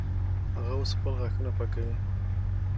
هغه اوس خپل غاښونه پاکوي.